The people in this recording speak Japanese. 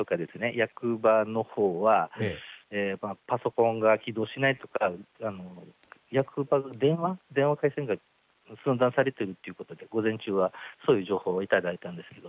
役場のほうはパソコンが起動しないとか役場の電話回線が寸断されているということで、午前中はそういう情報をいただいたんですけど。